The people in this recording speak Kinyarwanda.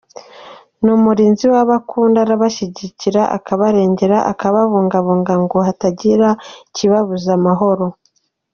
Ni umurinzi wabo akunda, arabashyigikira akabarengera, akababungabunga ngo hatagira ikibabuza amahoro.